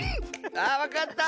あっわかった！